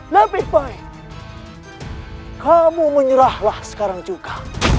nabi baik kamu menyerahlah sekarang juga